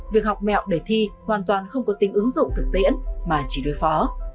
việc học mẹo để thi hoàn toàn không có tính ứng dụng thực tiễn mà chỉ đối phó